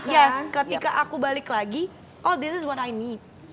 iya ketika aku balik lagi oh ini yang aku butuhkan